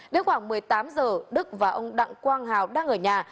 đến khoảng một mươi tám giờ đức và ông đặng quang hào đang ở nhà